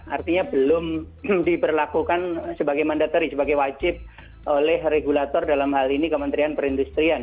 artinya belum diberlakukan sebagai mandatory sebagai wajib oleh regulator dalam hal ini kementerian perindustrian